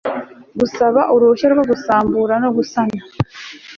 gusaba uruhushya rwo gusambura no gusana